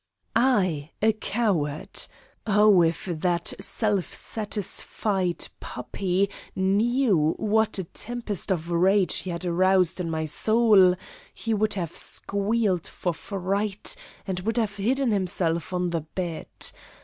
I a coward! Oh, if that self satisfied puppy knew what a tempest of rage he had aroused in my soul he would have squealed for fright and would have hidden himself on the bed.